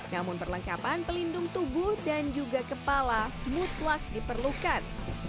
namun perlengkapan pelindung tubuh dan juga kepala mutlak diperlukan